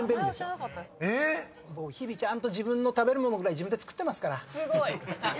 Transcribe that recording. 日々自分の食べる物ぐらい自分で作ってますから。